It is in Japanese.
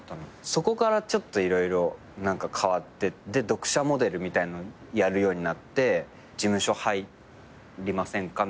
そこからちょっと色々何か変わって読者モデルみたいなのやるようになって「事務所入りませんか？」